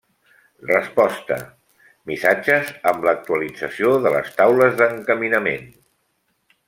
Resposta: missatges amb l'actualització de les taules d'encaminament.